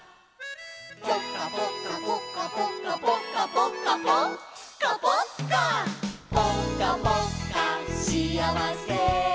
「ぽかぽかぽかぽかぽかぽかぽかぽっか！」「ぽかぽっかしあわせ」